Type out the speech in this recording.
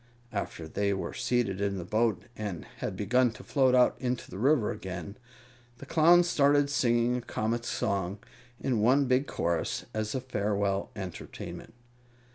After they were seated in the boat and had begun to float out into the river again, the Clowns started singing a comic song, in one big chorus, as a farewell entertainment.